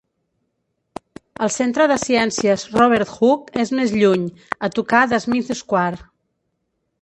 El Centre de Ciències Robert Hooke és més lluny, a tocar de Smith Square.